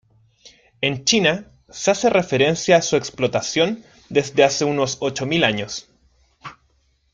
En China se hace referencia a su explotación desde hace unos ocho mil años.